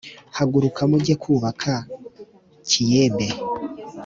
haguruka mujye kwubaka Kiyebe.